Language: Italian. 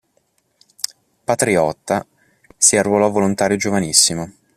Patriota, si arruolò volontario giovanissimo.